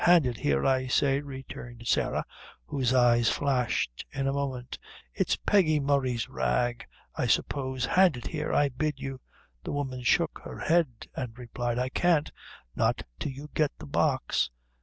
"Hand it here, I say," returned Sarah, whose eyes flashed in a moment; "it's Peggy Murray's rag, I suppose hand it here, I bid you." The woman shook her head and replied, "I can't not till you get the box."